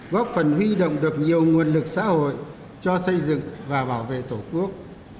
góp phần huy động được nhiều nguồn lực xã hội cho xây dựng và bảo vệ tổ quốc